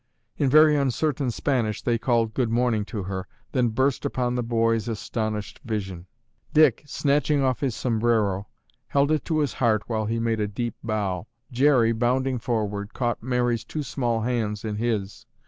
In very uncertain Spanish they called "Good morning" to her, then burst upon the boys' astonished vision. Dick, snatching off his sombrero, held it to his heart while he made a deep bow. Jerry, bounding forward, caught Mary's two small hands in his.